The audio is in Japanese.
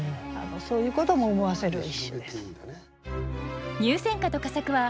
そういうことも思わせる一首です。